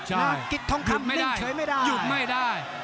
น้ำกลิ๊ดทองคำนุ่มเฉยไม่ได้หยุดไม่ได้